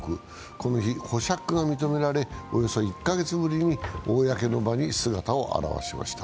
この日、保釈が認められおよそ１か月ぶりに公の場に姿を現しました。